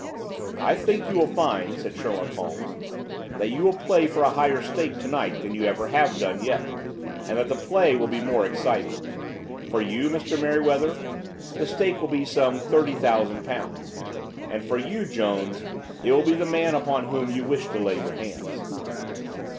"I think you will find," said Sherlock Holmes, "that you will play for a higher stake to night than you have ever done yet, and that the play will be more exciting. For you, Mr. Merryweather, the stake will be some £ 30,000; and for you, Jones, it will be the man upon whom you wish to lay your hands."